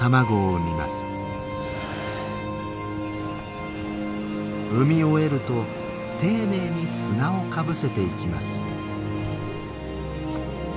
産み終えると丁寧に砂をかぶせていきます。